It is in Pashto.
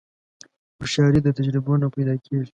هوښیاري د تجربو نه پیدا کېږي.